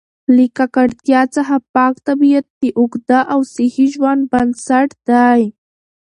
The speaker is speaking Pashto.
له ککړتیا څخه پاک طبیعت د اوږده او صحي ژوند بنسټ دی.